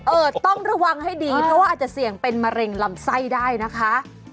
เออต้องระวังให้ดีเพราะว่าอาจจะเสี่ยงเป็นมะเร็งลำไส้ได้นะคะ